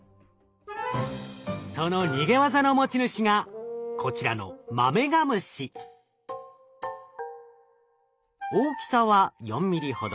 その逃げ技の持ち主がこちらの大きさは４ｍｍほど。